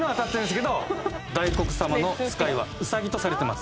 大国様の使いはウサギとされてます。